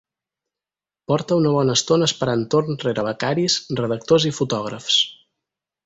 Porta una bona estona esperant torn rere becaris, redactors i fotògrafs.